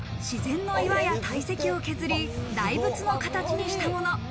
磨崖仏とは自然の岩や大石を削り、大仏の形にしたもの。